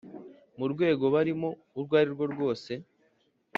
mu rwego barimo urwo ari rwo rwose